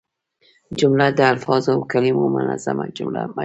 جمله د الفاظو او کلیمو منظمه مجموعه ده.